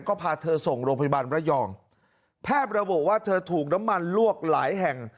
ก็พาเธอส่งโรงพยาบาลระยองแพทย์ระบุว่าเธอถูกน้ำมันลวกหลายแห่ง